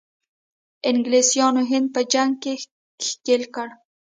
انګلیسانو هند په جنګ کې ښکیل کړ.